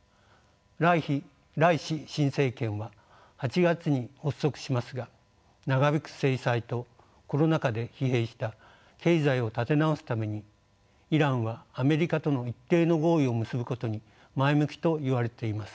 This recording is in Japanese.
ライシ新政権は８月に発足しますが長引く制裁とコロナ禍で疲弊した経済を立て直すためにイランはアメリカとの一定の合意を結ぶことに前向きといわれています。